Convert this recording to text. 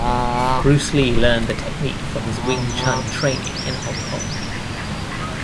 Bruce Lee learned the technique from his Wing Chun training in Hong Kong.